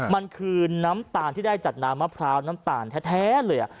มันคือน้ำตาลที่ได้จากน้ำมะพร้าวน้ำตาลแท้เลย